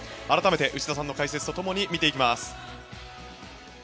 改めて内田さんの解説とともに見ていきます。